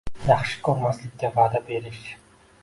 “Yaxshi ko‘rmaslikka” vaʼda berish –